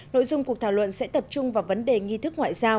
nội dung cuộc thảo luận sẽ tập trung vào vấn đề nghi thức ngoại giao